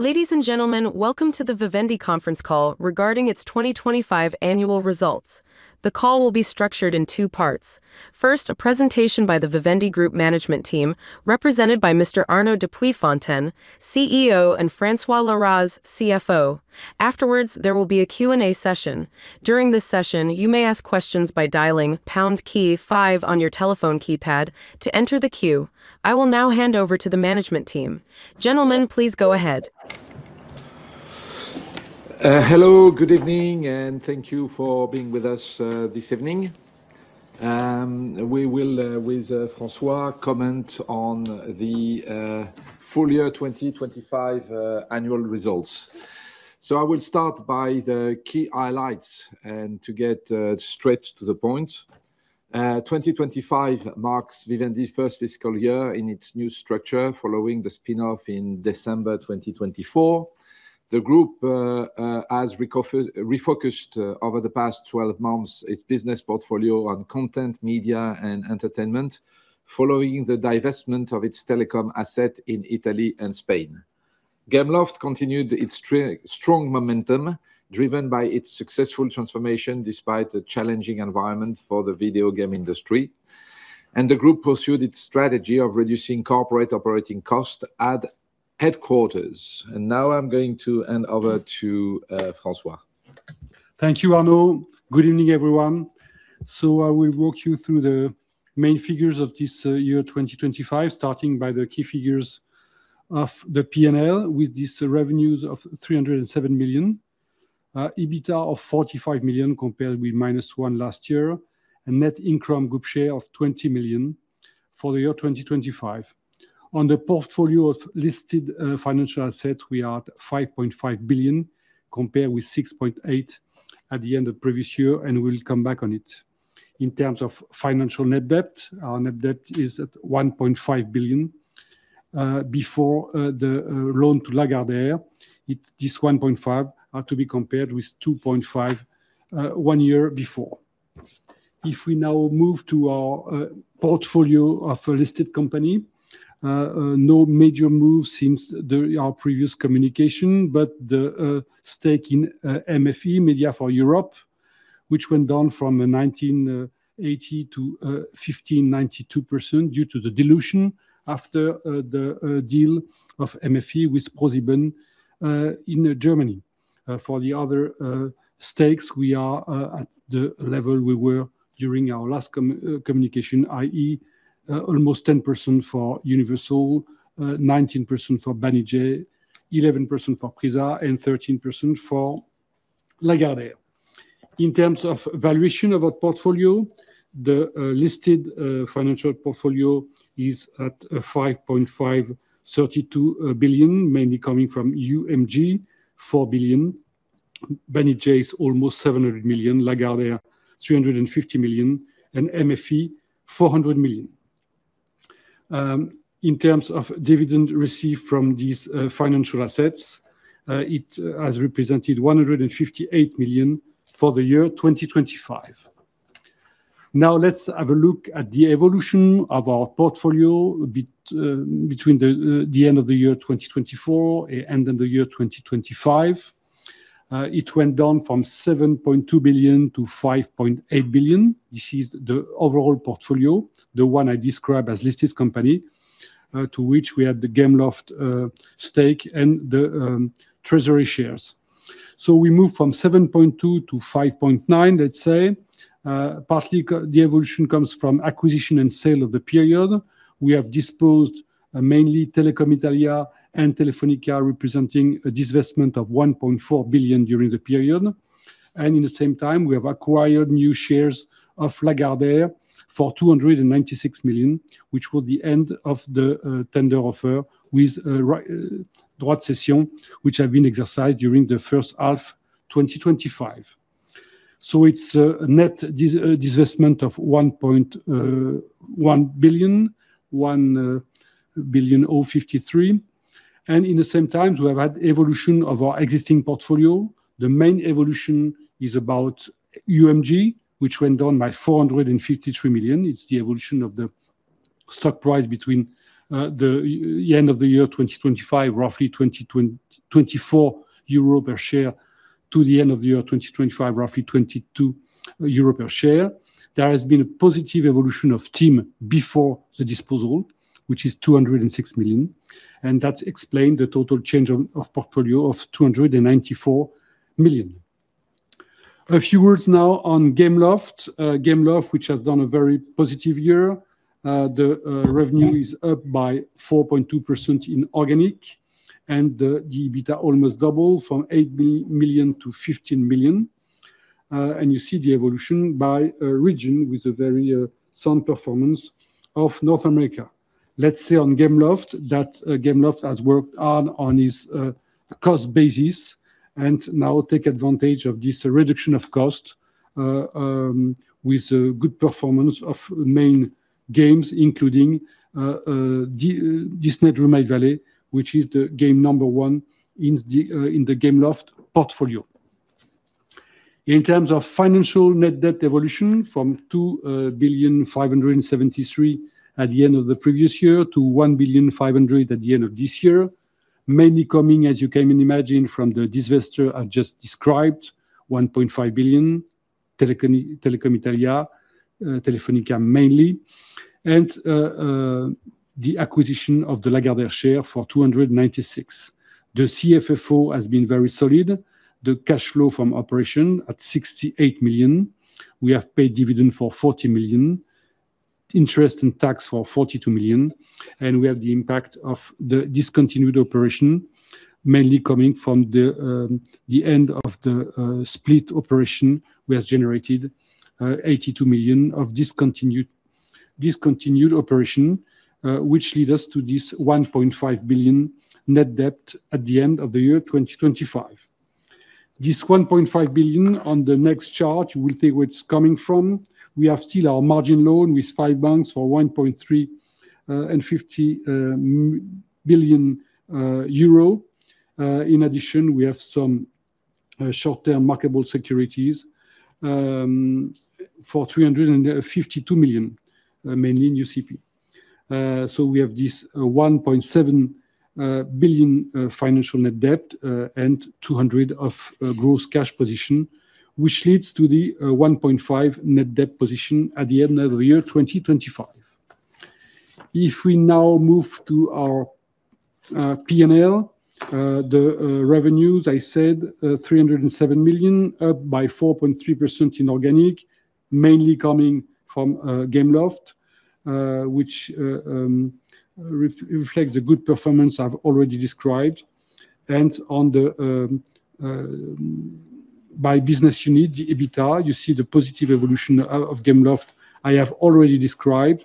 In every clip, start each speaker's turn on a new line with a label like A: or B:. A: Ladies and gentlemen, welcome to the Vivendi Conference Call regarding its 2025 annual results. The call will be structured in two parts. First, a presentation by the Vivendi Group management team, represented by Mr. Arnaud de Puyfontaine, CEO, and François Laroze, CFO. Afterwards, there will be a Q&A session. During this session, you may ask questions by dialing pound key five on your telephone keypad to enter the queue. I will now hand over to the management team. Gentlemen, please go ahead.
B: Hello, good evening, and thank you for being with us this evening. We will, with François, comment on the full-year 2025 annual results. I will start by the key highlights and to get straight to the point. 2025 marks Vivendi's first fiscal year in its new structure following the spin-off in December 2024. The group has refocused over the past 12 months its business portfolio on content, media and entertainment following the divestment of its telecom asset in Italy and Spain. Gameloft continued its strong momentum, driven by its successful transformation despite a challenging environment for the video game industry. The Group pursued its strategy of reducing corporate operating costs at headquarters. Now I'm going to hand over to François.
C: Thank you, Arnaud. Good evening, everyone. I will walk you through the main figures of this year, 2025, starting by the key figures of the P&L with these revenues of 307 million, EBITDA of 45 million compared with -1 million last year, and net income group share of 20 million for the year 2025. On the portfolio of listed financial assets, we are at 5.5 billion compared with 6.8 billion at the end of previous year, and we'll come back on it. In terms of financial net debt, our net debt is at 1.5 billion before the loan to Lagardère. This 1.5 billion are to be compared with 2.5 billion one year before. If we now move to our portfolio of listed companies, no major move since our previous communication, but the stake in MFE-MediaForEurope, which went down from 19.8% to 15.92% due to the dilution after the deal of MFE with ProSiebenSat.1 in Germany. For the other stakes, we are at the level we were during our last communication, i.e., almost 10% for Universal, 19% for Banijay, 11% for Prisa, and 13% for Lagardère. In terms of valuation of our portfolio, the listed financial portfolio is at 5.532 billion, mainly coming from UMG, 4 billion, Banijay is almost 700 million, Lagardère 350 million, and MFE 400 million. In terms of dividend received from these financial assets, it has represented 158 million for the year 2025. Now let's have a look at the evolution of our portfolio between the end of the year 2024 and the year 2025. It went down from 7.2 billion to 5.8 billion. This is the overall portfolio, the one I described as listed company, to which we had the Gameloft stake and the treasury shares. We moved from 7.2 billion to 5.9 billion, let's say. Partly, the evolution comes from acquisition and sale of the period. We have disposed mainly of Telecom Italia and Telefónica, representing a divestment of 1.4 billion during the period. In the same time, we have acquired new shares of Lagardère for 296 million, which was the end of the tender offer with droit de cession, which have been exercised during the first half 2025. It's a net divestment of 1.1053 billion. In the same time, we have had evolution of our existing portfolio. The main evolution is about UMG, which went down by 453 million. It's the evolution of the stock price between the end of 2024, roughly 24 euro per share to the end of 2025, roughly 22.00 euro Per share. There has been a positive evolution of TIM before the disposal, which is 206 million, and that explained the total change of portfolio of 294 million. A few words now on Gameloft. Gameloft, which has done a very positive year. The revenue is up by 4.2% in organic and, the EBITDA almost double from 8 million to 15 million. You see the evolution by region with a very sound performance of North America. Let's say on Gameloft that Gameloft has worked hard on its cost basis and now take advantage of this reduction of cost with a good performance of main games, including Disney Dreamlight Valley, which is the game number one in the Gameloft portfolio. In terms of financial net debt evolution from 2,573,000,000 at the end of the previous year to 1,500,000,000 at the end of this year. Mainly coming, as you can imagine, from the divestiture I've just described, 1.5 billion Telecom Italia, Telefónica mainly. The acquisition of the Lagardère share for 296 million. The CFFO has been very solid. The cash flow from operation at 68 million. We have paid dividend for 40 million, interest and tax for 42 million, and we have the impact of the discontinued operation, mainly coming from the end of the split operation, which generated 82 million of discontinued operation. Which leads us to this 1.5 billion net debt at the end of the year 2025. This 1.5 billion on the next chart, you will see where it's coming from. We have still our margin loan with five banks for 1.35 billion euro. In addition, we have some short-term marketable securities for 352 million, mainly in UCP. We have this 1.7 billion financial net debt and 200 million gross cash position, which leads to the 1.5 billion net debt position at the end of the year 2025. If we now move to our P&L, the revenues, I said, 307 million, up by 4.3% inorganic, mainly coming from Gameloft, which reflects the good performance I've already described. On the EBITDA by business unit, you see the positive evolution of Gameloft I have already described.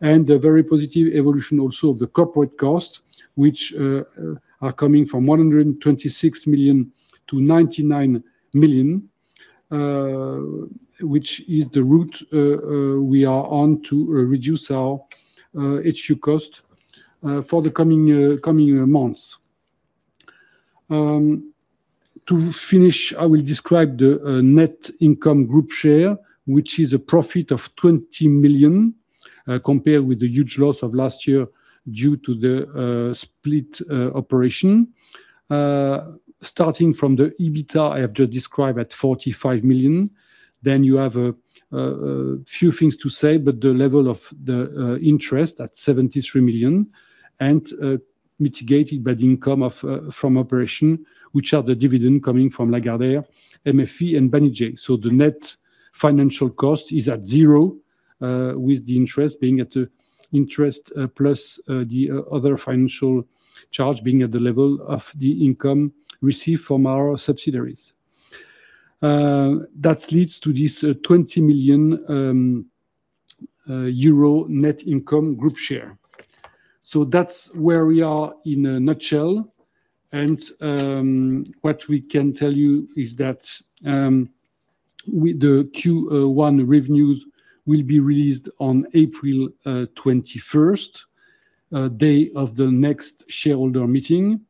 C: The very positive evolution also of the corporate cost, which are coming from 126 million to 99 million, which is the right we are on to reduce our HQ cost for the coming months. To finish, I will describe the net income group share, which is a profit of 20 million, compared with the huge loss of last year due to the split operation. Starting from the EBITDA I have just described at 45 million. You have a few things to say, but the level of the interest at 73 million and mitigated by the income from operations, which are the dividends coming from Lagardère, MFE and Banijay. The net financial cost is at zero, with the interest plus the other financial charge being at the level of the income received from our subsidiaries. That leads to this 20 million euro net income group share. That's where we are in a nutshell. What we can tell you is that the Q1 revenues will be released on April 21st, the day of the next shareholder meeting.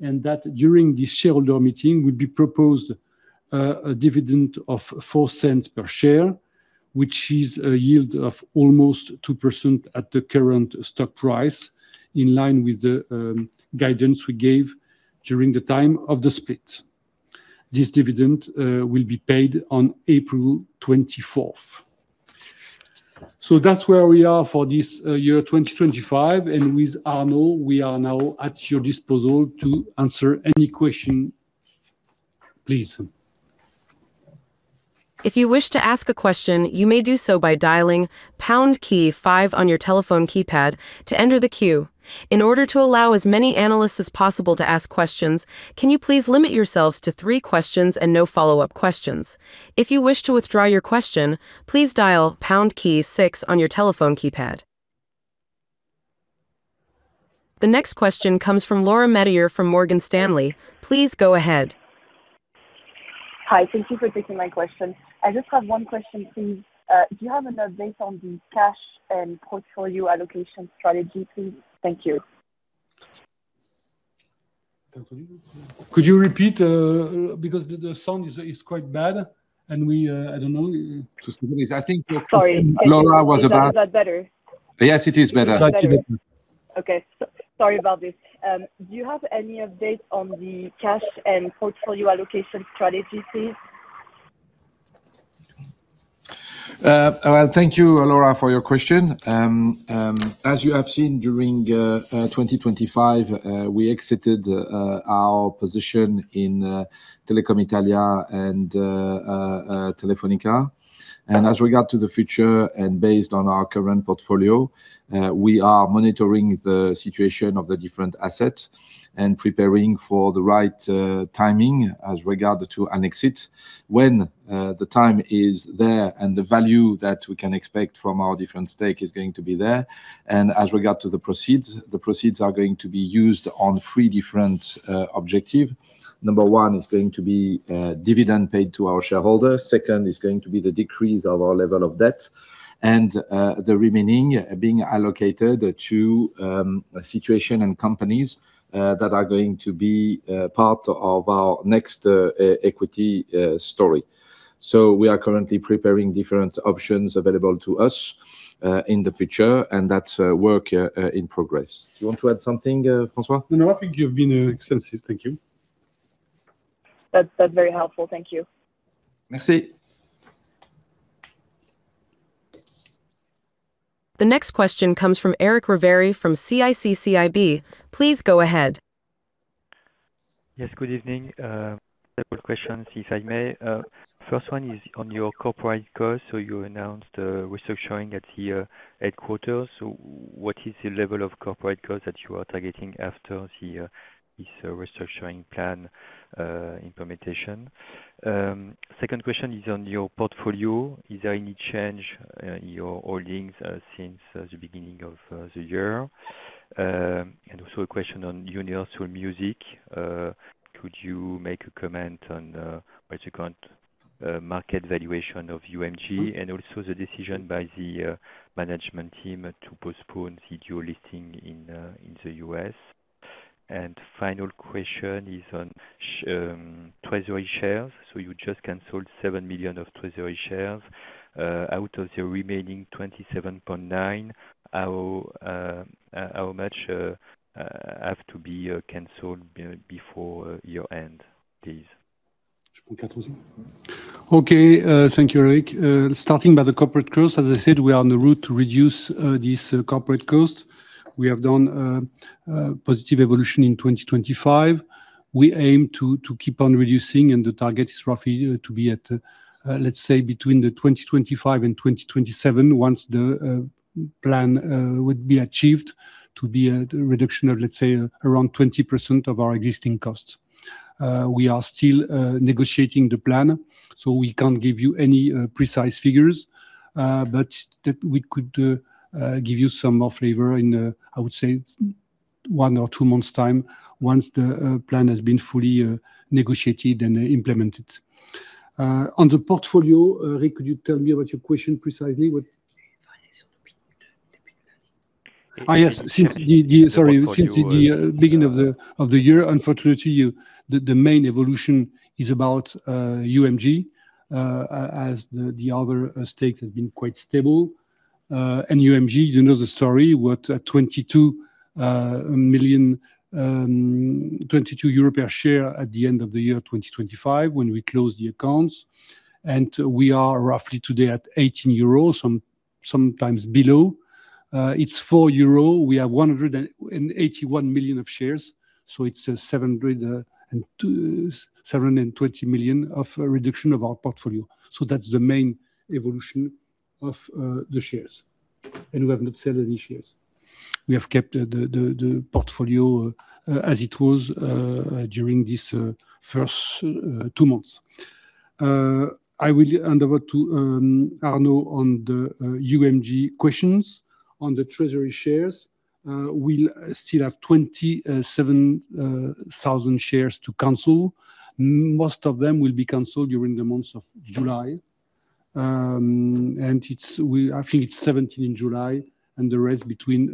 C: That during this shareholder meeting will be proposed a dividend of 0.04 per share, which is a yield of almost 2% at the current stock price, in line with the guidance we gave during the time of the split. This dividend will be paid on April twenty-fourth. That's where we are for this year, 2025. With Arnaud, we are now at your disposal to answer any question. Please.
A: If you wish to ask a question, you may do so by dialing pound key five on your telephone keypad to enter the queue. In order to allow as many analysts as possible to ask questions, can you please limit yourselves to three questions and no follow-up questions? If you wish to withdraw your question, please dial pound key six on your telephone keypad. The next question comes from Laura Metayer from Morgan Stanley. Please go ahead.
D: Hi. Thank you for taking my question. I just have one question, please. Do you have an update on the cash and portfolio allocation strategy, please? Thank you.
C: Could you repeat because the sound is quite bad, and I don't know. To say the least, I think.
D: Sorry.
B: Laura was about-
D: Is that better?
B: Yes, it is better.
C: Slightly better.
D: Okay. Sorry about this. Do you have any update on the cash and portfolio allocation strategy, please?
B: Well, thank you, Laura, for your question. As you have seen during 2025, we exited our position in Telecom Italia and Telefónica. As regard to the future and based on our current portfolio, we are monitoring the situation of the different assets and preparing for the right timing as regard to an exit when the time is there and the value that we can expect from our different stake is going to be there. As regard to the proceeds, the proceeds are going to be used on three different objective. Number one is going to be dividend paid to our shareholder. Second is going to be the decrease of our level of debt. The remaining being allocated to subsidiaries and companies that are going to be part of our next equity story. We are currently preparing different options available to us in the future, and that's work in progress. Do you want to add something, François?
C: No, I think you've been, extensive. Thank you.
D: That's very helpful. Thank you.
B: Merci.
A: The next question comes from Eric Ravary from CIC CIB. Please go ahead.
E: Yes, good evening. Several questions, if I may. First one is on your corporate costs. You announced restructuring at the headquarters. What is the level of corporate costs that you are targeting after this restructuring plan implementation? Second question is on your portfolio. Is there any change in your holdings since the beginning of the year? Also a question on Universal Music. Could you make a comment on what you call it, market valuation of UMG and also the decision by the management team to postpone the dual listing in the U.S.? Final question is on treasury shares. You just canceled 7 million treasury shares. Out of the remaining 27.9 million, how much have to be canceled before year-end, please?
C: Okay, thank you, Eric. Starting by the corporate costs, as I said, we are on the route to reduce this corporate cost. We have done a positive evolution in 2025. We aim to keep on reducing, and the target is roughly to be at, let's say, between 2025 and 2027, once the plan would be achieved to be at a reduction of, let's say, around 20% of our existing costs. We are still negotiating the plan, so we can't give you any precise figures. But that we could give you some more flavor in, I would say, one or two months' time once the plan has been fully negotiated and implemented. On the portfolio, Eric, could you tell me what your question precisely was? Yes. Since the beginning of the year, unfortunately, the main evolution is about UMG, as the other stakes have been quite stable. UMG, you know the story, we're at 22 million, 22.00 euro Per share at the end of the year 2025 when we closed the accounts. We are roughly today at 18.00 euros, sometimes below. It's 4.00 euro. We have 181 million shares. So it's 720 million of reduction of our portfolio. That's the main evolution of the shares. We have not sold any shares. We have kept the portfolio as it was during this first two months. I will hand over to Arnaud on the UMG questions. On the treasury shares, we'll still have 27,000 shares to cancel. Most of them will be canceled during the months of July. I think it's July 17 and the rest between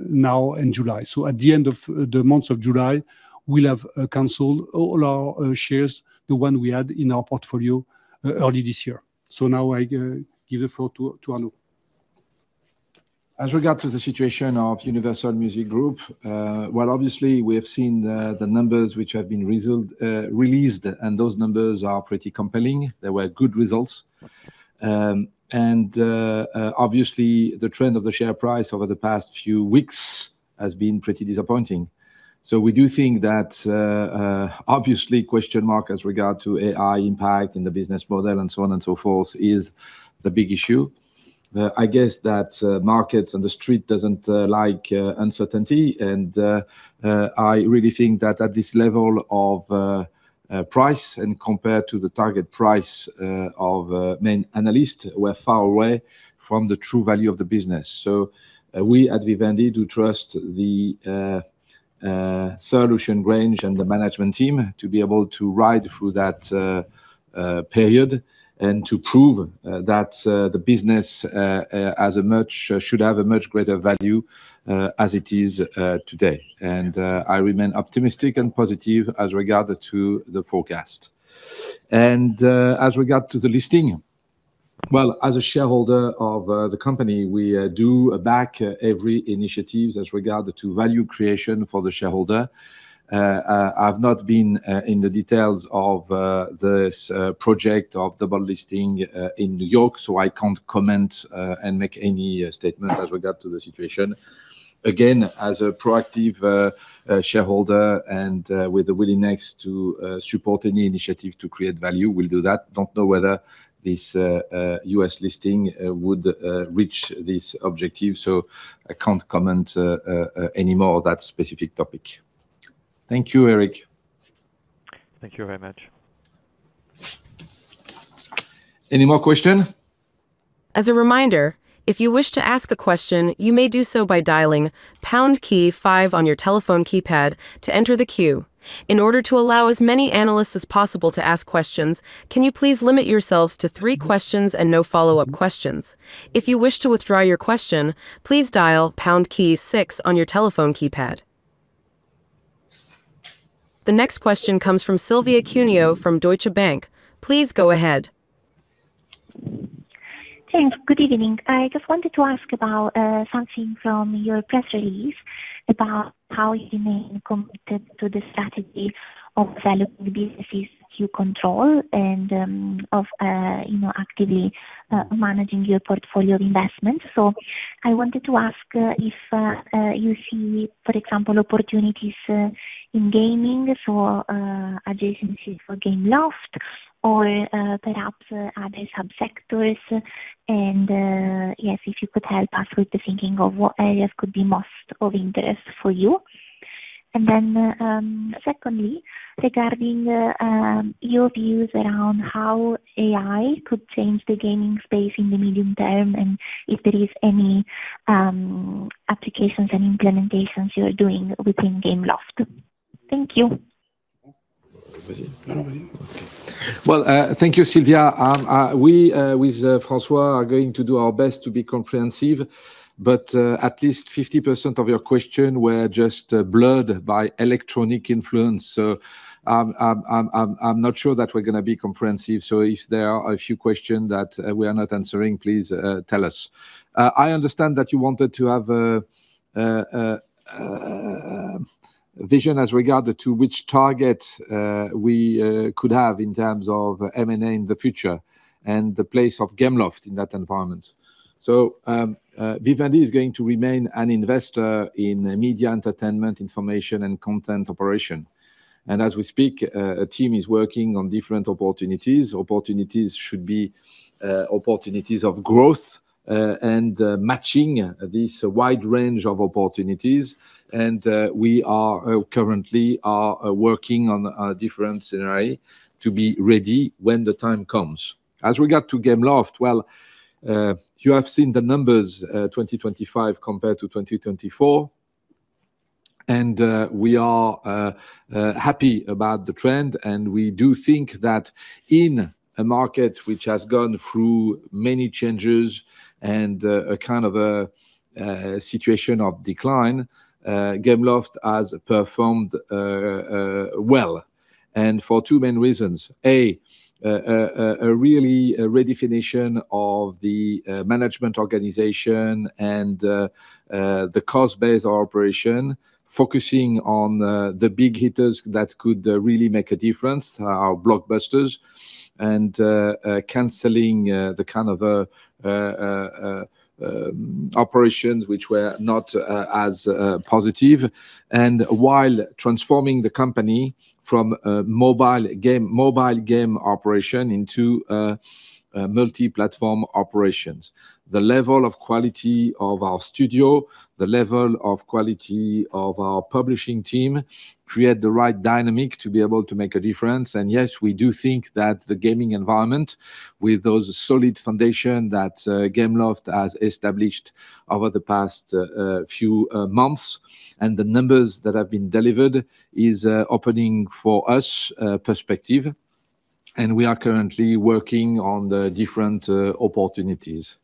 C: now and July. At the end of the month of July, we'll have canceled all our shares, the one we had in our portfolio early this year. Now I give the floor to Arnaud.
B: As regards the situation of Universal Music Group, well, obviously, we have seen the numbers which have been released, and those numbers are pretty compelling. They were good results. Obviously the trend of the share price over the past few weeks has been pretty disappointing. We do think that obviously question marks as regards to AI impact in the business model and so on and so forth is the big issue. I guess that markets and the street doesn't like uncertainty and I really think that at this level of price and compared to the target price of main analysts, we're far away from the true value of the business. We at Vivendi do trust the solution range and the management team to be able to ride through that period and to prove that the business has a much greater value than it is today. I remain optimistic and positive as regards to the forecast. As regards the listing, well, as a shareholder of the company, we do back every initiatives as regards value creation for the shareholder. I've not been in the details of this project of double listing in New York, so I can't comment and make any statement as regards the situation. Again, as a proactive shareholder and with a willingness to support any initiative to create value, we'll do that. Don't know whether this U.S. listing would reach this objective, so I can't comment any more on that specific topic. Thank you, Eric.
E: Thank you very much.
B: Any more question?
A: As a reminder, if you wish to ask a question, you may do so by dialing pound key five on your telephone keypad to enter the queue. In order to allow as many analysts as possible to ask questions, can you please limit yourselves to three questions and no follow-up questions? If you wish to withdraw your question, please dial pound key six on your telephone keypad. The next question comes from Silvia Cuneo from Deutsche Bank. Please go ahead.
F: Thanks. Good evening. I just wanted to ask about something from your press release about how you remain committed to the strategy of selling the businesses you control and of you know actively managing your portfolio of investments. I wanted to ask if you see for example opportunities in gaming for adjacencies for Gameloft or perhaps other subsectors and yes if you could help us with the thinking of what areas could be most of interest for you. Secondly, regarding your views around how AI could change the gaming space in the medium term, and if there is any applications and implementations you are doing within Gameloft. Thank you.
B: Well, thank you, Silvia. We with François are going to do our best to be comprehensive, but at least 50% of your question were just blurred by electronic influence. I'm not sure that we're gonna be comprehensive. If there are a few questions that we are not answering, please tell us. I understand that you wanted to have a vision as regard to which target we could have in terms of M&A in the future and the place of Gameloft in that environment. Vivendi is going to remain an investor in media entertainment, information, and content operation. As we speak, a team is working on different opportunities. Opportunities should be opportunities of growth and matching this wide range of opportunities. We are currently working on a different scenario to be ready when the time comes. As regards Gameloft, you have seen the numbers, 2025 compared to 2024. We are happy about the trend, and we do think that in a market which has gone through many changes and a kind of situation of decline, Gameloft has performed well, and for two main reasons. A really redefinition of the management organization and the cost-based operation, focusing on the big hitters that could really make a difference, our blockbusters. Canceling the kind of operations which were not as positive. While transforming the company from a mobile game operation into multi-platform operations. The level of quality of our studio, the level of quality of our publishing team create the right dynamic to be able to make a difference. Yes, we do think that the gaming environment with those solid foundations that Gameloft has established over the past few months and the numbers that have been delivered is opening for us a perspective, and we are currently working on the different opportunities.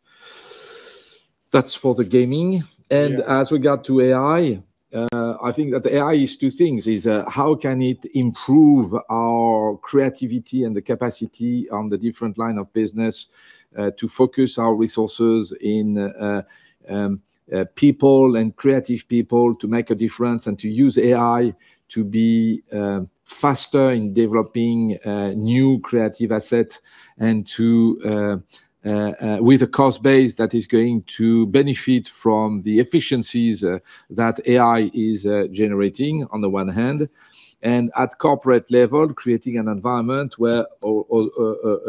B: That's for the gaming. Yeah. As regards to AI, I think that the AI is two things. How can it improve our creativity and the capacity on the different line of business to focus our resources in people and creative people to make a difference and to use AI to be faster in developing new creative asset and to with a cost base that is going to benefit from the efficiencies that AI is generating on the one hand. At corporate level, creating an environment where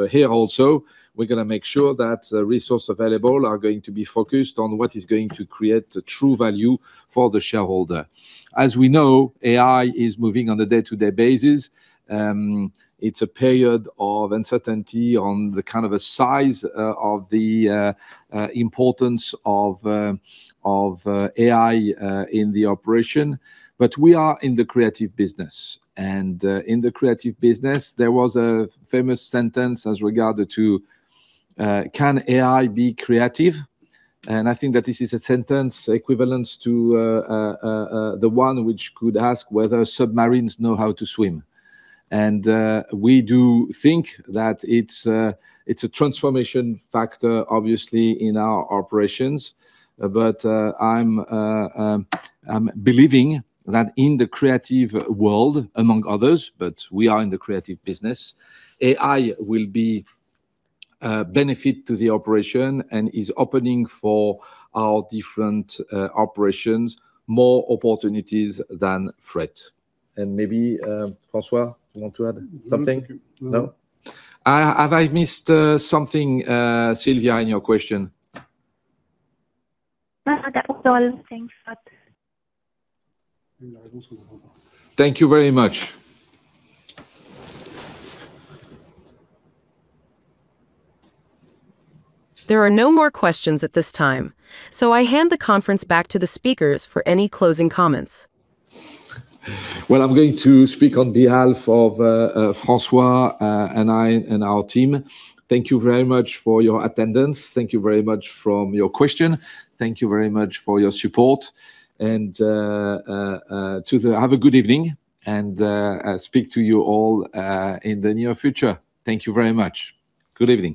B: here also we're gonna make sure that resource available are going to be focused on what is going to create the true value for the shareholder. As we know, AI is moving on a day-to-day basis. It's a period of uncertainty on the kind of a size of the importance of AI in the operation. We are in the creative business, and in the creative business, there was a famous sentence as regards to can AI be creative? I think that this is a sentence equivalent to the one which could ask whether submarines know how to swim. We do think that it's a transformation factor, obviously, in our operations. I'm believing that in the creative world, among others, but we are in the creative business, AI will be a benefit to the operation and is opening for our different operations more opportunities than threat. Maybe François, you want to add something?
C: No, thank you. No.
B: No? Have I missed something, Silvia, in your question?
F: No, that was all. Thanks a lot.
B: Thank you very much.
A: There are no more questions at this time, so I hand the conference back to the speakers for any closing comments.
B: Well, I'm going to speak on behalf of François, and I and our team. Thank you very much for your attendance. Thank you very much for your question. Thank you very much for your support. Have a good evening, and I'll speak to you all in the near future. Thank you very much. Good evening.